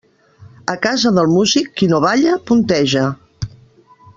A casa del músic, qui no balla, punteja.